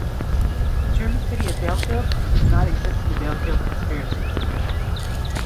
The german city of Bielefeld does not exist in the Bielefeld conspiracy!